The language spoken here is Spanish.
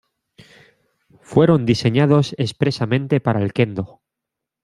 Fueron diseñados expresamente para el kendo.